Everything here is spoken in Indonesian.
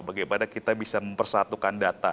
bagaimana kita bisa mempersatukan data